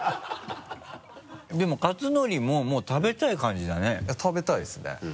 でも克典ももう食べたい感じだね食べたいですね。